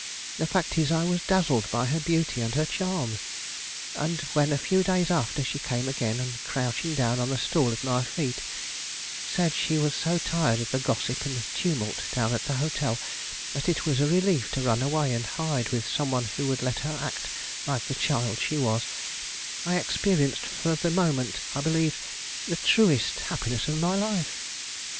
The fact is, I was dazzled by her beauty and her charms. And when, a few days after, she came again, and crouching down on the stool at my feet, said she was so tired of the gossip and tumult down at the hotel, that it was a relief to run away and hide with some one who would let her act like the child she was, I experienced for the moment, I believe, the truest happiness of my life.